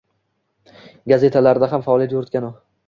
Gazetalarida ham faoliyat yuritgan u.